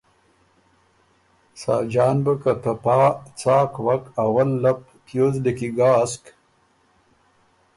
ساجان بُو که ته پا څاک وک اول لپ پیوز لیکی ګاسک